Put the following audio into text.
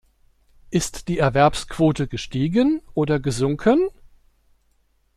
Ist die Erwerbsquote gestiegen oder gesunken?